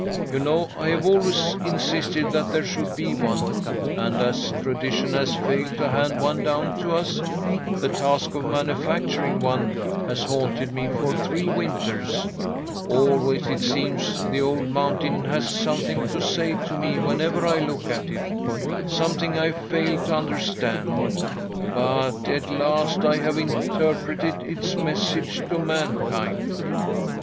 You know I have always insisted that there should be one, and as tradition has failed to hand one down to us, the task of manufacturing one has haunted me for three winters. Always, it seems, the old mountain has something to say to me whenever I look at it, something I failed to understand. But at last I have interpreted its message to mankind."